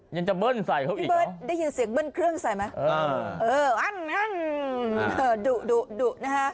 ยังจะเบิ้ลใส่เขาอีกพี่เบิร์ตได้ยินเสียงเบิ้ลเครื่องใส่ไหมเอออั้นดุดุนะฮะ